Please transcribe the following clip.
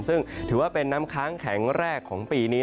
ซึ่งถือว่าเป็นน้ำค้างแข็งแรกของปีนี้